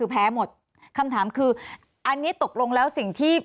แพ้หมดคำถามคืออันนี้ตกลงแล้วสิ่งที่